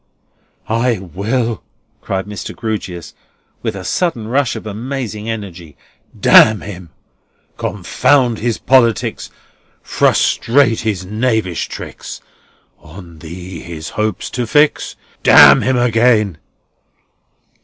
"I will," cried Mr. Grewgious, with a sudden rush of amazing energy. "Damn him! 'Confound his politics! Frustrate his knavish tricks! On Thee his hopes to fix? Damn him again!